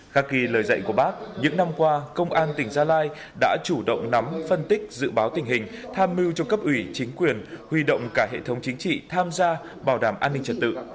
khác ghi lời dạy của bác những năm qua công an tỉnh gia lai đã chủ động nắm phân tích dự báo tình hình tham mưu cho cấp ủy chính quyền huy động cả hệ thống chính trị tham gia bảo đảm an ninh trật tự